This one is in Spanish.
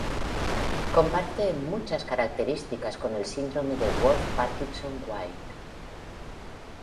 Comparte muchas características con el síndrome de Wolff-Parkinson-White.